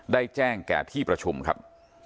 ได้แจ้งแก่ที่ประชุมครับ